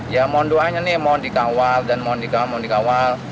ya mohon doanya nih mohon dikawal dan mohon dikawal